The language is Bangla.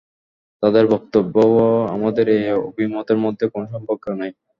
তাদের বক্তব্য ও আমাদের এ অভিমতের মধ্যে কোন সম্পর্ক নেই।